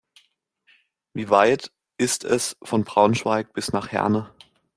Wie weit ist es von Braunschweig bis nach Herne?